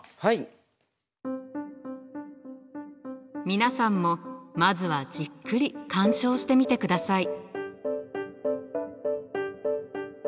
皆さんもまずはじっくり鑑賞してみてください。